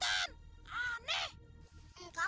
habis kamu mainnya ke hutan